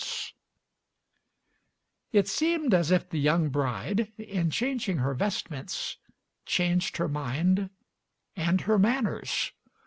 It seemed as if the young bride, in changing her vestments, changed her mind and her manners.